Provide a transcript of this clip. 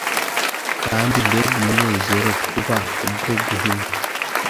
Kandi mbega umunezero kuba kubwo guhimwa,